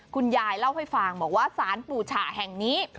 คุณยายเล่าให้ฟังบอกว่าสารปู่ฉะแห่งนี้